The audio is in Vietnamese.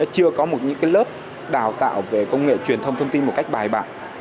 chưa có một những lớp đào tạo về công nghệ truyền thông thông tin một cách bài bản